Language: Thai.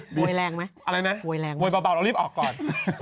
กดโบยแรงมั้ยโบยแรงมั้ยอะไรนะโบยเบาแล้วรีบออกก่อน